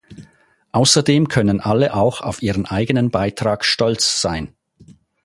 Außerdem können alle auch auf ihren eigenen Beitrag stolz sein.